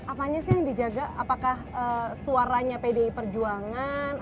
apanya sih yang dijaga apakah suaranya pdi perjuangan